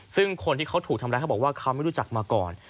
ซึ่งคนที่เขาถูกทำร้ายเขาบอกว่าเขาไม่รู้จักมาก่อน